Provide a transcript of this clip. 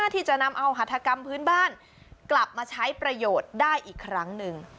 ที่จะนำเอาหัฐกรรมพื้นบ้านกลับมาใช้ประโยชน์ได้อีกครั้งหนึ่ง